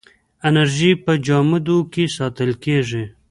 انرژي په جامدو کې ساتل کېږي.